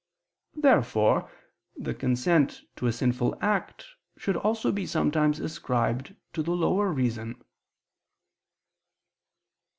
Therefore the consent to a sinful act should also be sometimes ascribed to the lower reason.